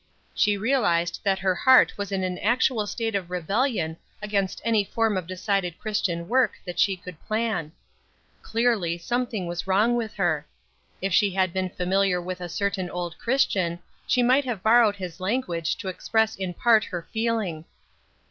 She realized that her heart was in an actual state of rebellion against any form of decided Christian work that she could plan. Clearly, something was wrong with her. If she had been familiar with a certain old Christian, she might have borrowed his language to express in part her feeling.